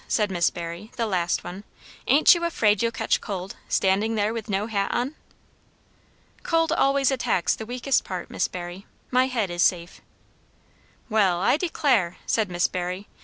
said Miss Barry, the last one, "ain't you afraid you'll catch cold, standing there with no hat on?" "Cold always attacks the weakest part, Miss Barry. My head is safe." "Well, I declare!" said Miss Barry.